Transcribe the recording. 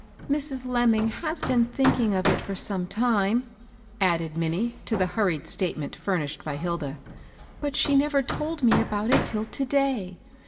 "Mrs. Lemming has been thinking of it for some time," added Minnie to the hurried state ment furnished by Hilda ;" but she never told me about it till to day.